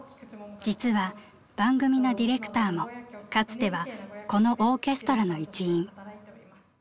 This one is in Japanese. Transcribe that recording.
実は番組のディレクターもかつてはこのオーケストラの一員。